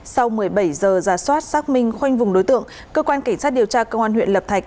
sau một mươi bảy giờ ra soát xác minh khoanh vùng đối tượng cơ quan cảnh sát điều tra công an huyện lập thạch